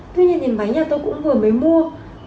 tuy nhiên thì máy nhà tôi cũng vừa mới mua